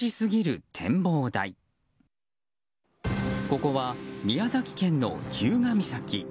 ここは、宮崎県の日向岬。